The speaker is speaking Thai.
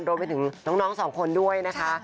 รวมไปถึงน้องสองคนด้วยนะคะ